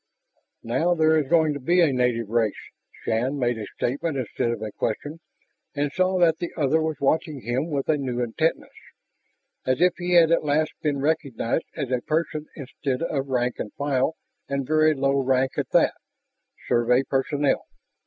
"Now there is going to be a native race." Shann made a statement instead of a question and saw that the other was watching him with a new intentness, as if he had at last been recognized as a person instead of rank and file and very low rank at that Survey personnel.